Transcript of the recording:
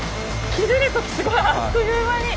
切れる時すごいあっという間に！